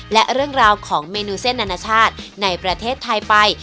และเรื่องราวของเมนูเส้นอนาชาติในประเทศไทยไป